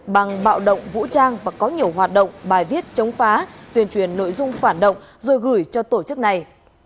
bằng bạo động vũ trang và có nhiều hoạt động bài viết chống phá tuyên truyền nội dung phản động rồi gửi cho tổ chức này